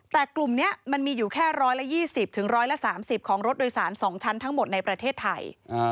แต่กลุ่มนี้มันมีอยู่แค่๑๒๐๑๓๐ของรถโดยสาร๒ชั้นทั้งหมดในประเทศไทย